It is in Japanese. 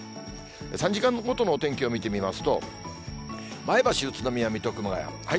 ３時間ごとのお天気を見てみますと、前橋、宇都宮、水戸、熊谷。